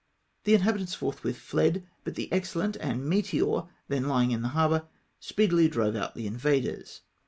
The inhabitants forthwith fled ; but the Excellent and Meteor^ then lying in the harbour, speedily drove out the invaders.